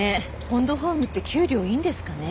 ポンドホームって給料いいんですかね？